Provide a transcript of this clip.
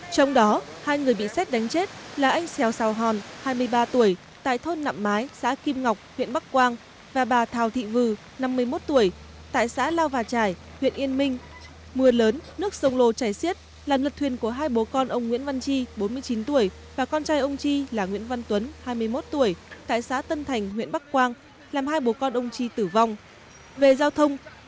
trong đó hai người bị xét đánh chết là anh xèo sào hòn hai mươi ba tuổi tại thôn nạm mái xã kim ngọc huyện bắc quang và bà thào thị vư năm mươi một tuổi tại xã lao và trải huyện yên minh